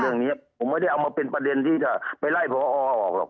เรื่องเนี้ยผมไม่ได้เป็นประเด็นจะไล่พอออกว่า